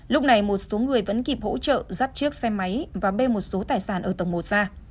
lúc này một số người vẫn kịp hỗ trợ dắt chiếc xe máy và bê một số tài sản ở tầng một ra